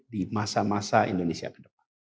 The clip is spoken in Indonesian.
di masa masa indonesia ke depan